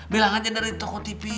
bilang aja dari toko tv